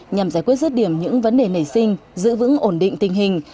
nhằm giải quyết rứt điểm những vấn đề nảy sinh giữ vững ổn định tình hình